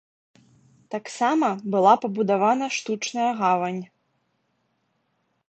Таксама была пабудавана штучная гавань.